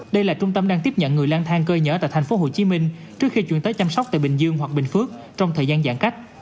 đây là trung tâm đang tiếp nhận người lan thang cơi nhở tại thành phố hồ chí minh trước khi chuyển tới chăm sóc tại bình dương hoặc bình phước trong thời gian giãn cách